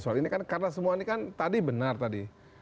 soal ini kan karena semua ini kan tadi benar tadi